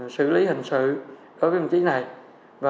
xử lý hình sự của viện kiểm sát nhân dân tối cao